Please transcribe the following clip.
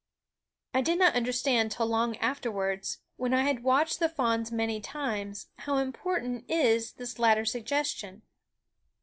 I did not understand till long afterwards, when I had watched the fawns many times, how important is this latter suggestion.